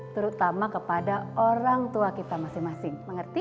terutama kepada orang tua kita masing masing